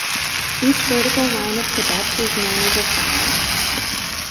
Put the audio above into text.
Each vertical line of cadets is known as a file.